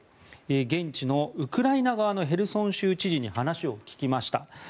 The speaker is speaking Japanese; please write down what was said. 現地のウクライナ側のへルソン州知事に話を聞きました。